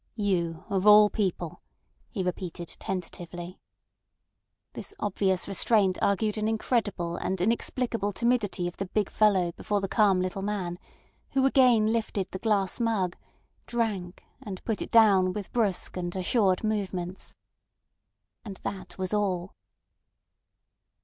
"You of all people," he repeated tentatively. This obvious restraint argued an incredible and inexplicable timidity of the big fellow before the calm little man, who again lifted the glass mug, drank, and put it down with brusque and assured movements. And that was all.